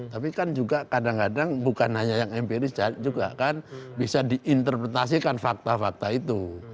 tapi kan juga kadang kadang bukan hanya yang empiris juga kan bisa diinterpretasikan fakta fakta itu